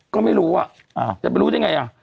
ก็ไม่รู้อ่ะจะไปรู้ได้ไงอ่ะ